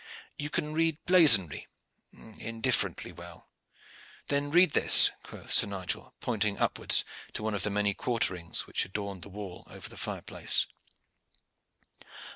You can read blazonry?" "Indifferent well." "Then read this," quoth Sir Nigel, pointing upwards to one of the many quarterings which adorned the wall over the fireplace.